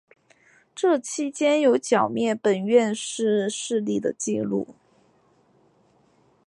这期间有剿灭本愿寺势力的纪录。